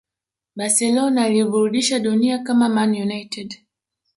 Barcelona iliburdisha dunia kama Man United